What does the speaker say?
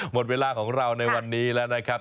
หมดเวลาของเราในวันนี้แล้วนะครับ